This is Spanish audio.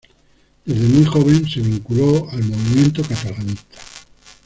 Desde muy joven se vinculó al movimiento catalanista.